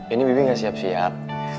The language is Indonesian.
ini bibi nggak siap siap